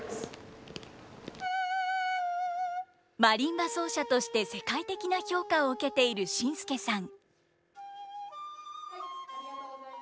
マリンバ奏者として世界的な評価を受けているＳＩＮＳＫＥさん。